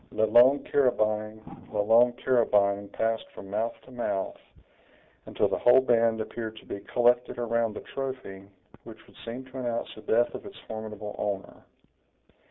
"La Longue Carabine! La Longue Carabine!" passed from mouth to mouth, until the whole band appeared to be collected around a trophy which would seem to announce the death of its formidable owner.